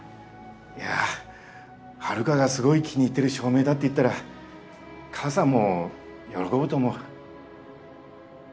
いやハルカがすごい気に入ってる照明だって言ったら母さんも喜ぶと思う。